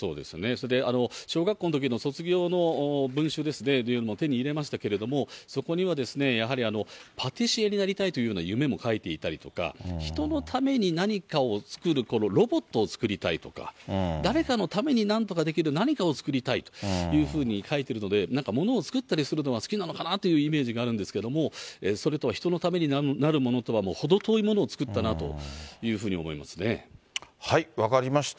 それで小学校のときの卒業の文集ですね、手に入れましたけれども、そこにはですね、やはりパティシエになりたいというような夢も書いていたりとか、人のために何かを作る、ロボットを作りたいとか、誰かのためになんとかできる、何かを作りたいというふうに書いているので、何かものを作ったりするのは好きなのかなっていうイメージはあるんですけれども、それとは、人のためになるとはもう程遠いものを分かりました。